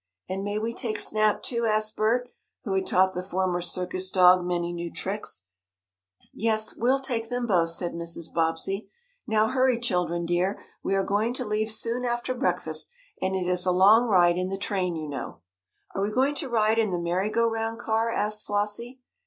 "And may we take Snap, too?" asked Bert, who had taught the former circus dog many new tricks. [Illustration: THE BOBBSEY HOUSE WAS SOON A VERY BUSY PLACE] "Yes, we'll take them both," said Mrs. Bobbsey. "Now hurry, children dear. We are going to leave soon after breakfast, and it is a long ride in the train, you know." "Are we going to ride in the 'merry go round car'?" asked Flossie.